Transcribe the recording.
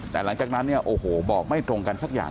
แต่หลังจากนั้นเนี่ยโอ้โหบอกไม่ตรงกันสักอย่าง